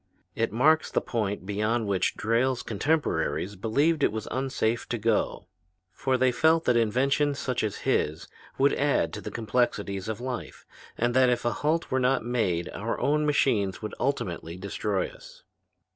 It marks the point beyond which Drayle's contemporaries believed it was unsafe to go: for they felt that inventions such as his would add to the complexities of life, and that if a halt were not made our own machines would ultimately destroy us.